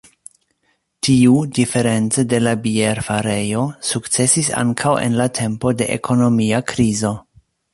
Tiu, diference de la bierfarejo, sukcesis ankaŭ en la tempo de ekonomia krizo.